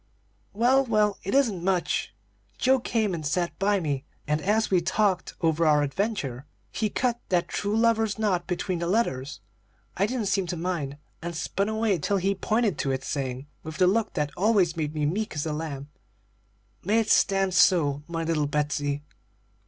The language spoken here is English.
"Well, well, it isn't much. Joe came and sat by me, and, as we talked over our adventure, he cut that true lover's knot between the letters. I didn't seem to mind, and spun away till he pointed to it, saying, with the look that always made me meek as a lamb, 'May it stand so, my little Betsey?'